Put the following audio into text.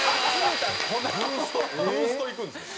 ブーストいくんですね。